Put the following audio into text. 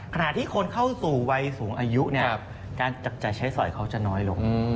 ขณะที่คนเข้าสู่วัยสูงอายุเนี่ยการจับจ่ายใช้สอยเขาจะน้อยลง